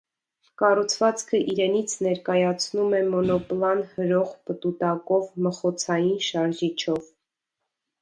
Կառուցվածքը իրենից ներկայացնում է մոնոպլան հրող պտուտակով մխոցային շարժիչով։